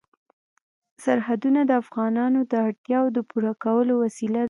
سرحدونه د افغانانو د اړتیاوو د پوره کولو وسیله ده.